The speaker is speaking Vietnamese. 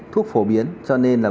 thuốc phổ biến cho nên là